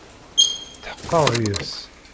Tḥeqqeɣ deg-s.